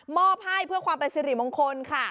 อบให้เพื่อความเป็นสิริมงคลค่ะ